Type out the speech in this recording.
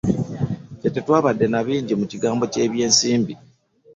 Ffe tetwabadde na bingi mu kigambo ky'ebyensimbi